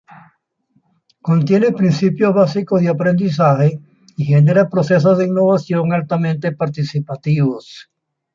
Contiene principios básicos de aprendizaje y genera procesos de innovación altamente participativos.